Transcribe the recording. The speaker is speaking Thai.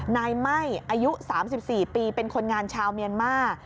ไหม้อายุ๓๔ปีเป็นคนงานชาวเมียนมาร์